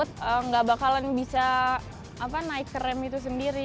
takut gak bakalan bisa naik ke rem itu sendiri